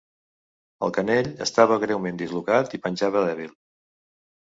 El canell estava greument dislocat i penjava dèbil.